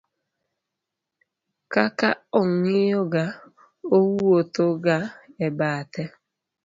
ka ka ong'iyo ga owuodho ga e bathe